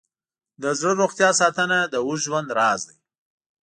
د زړه روغتیا ساتنه د اوږد ژوند راز دی.